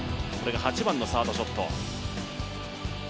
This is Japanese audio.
これが８番のサードショット。